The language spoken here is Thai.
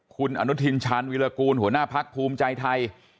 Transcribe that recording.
คุณอนุทินชาญวิรากูลหัวหน้าพักภูมิใจไทย